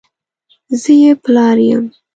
زه یې پلار یم !